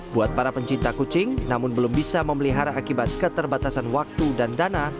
buat para pencinta kucing namun belum bisa memelihara akibat keterbatasan waktu dan dana